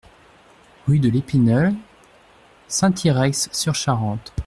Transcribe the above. Rue de l'Épineuil, Saint-Yrieix-sur-Charente